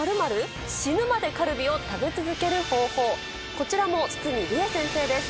こちらも堤理恵先生です。